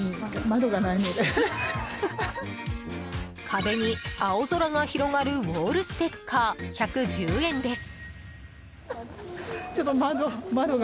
壁に青空が広がるウォールステッカー１１０円です。